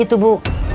itu itu bu